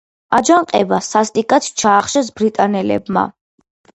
აჯანყება სასტიკად ჩაახშეს ბრიტანელებმა.